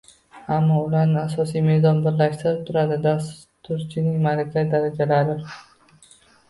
Ammo ularni asosiy me’zon birlashtirib turadi dasturchining malaka darajalari